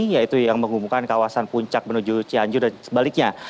yaitu yang menghubungkan kawasan puncak menuju cianjur dan sebaliknya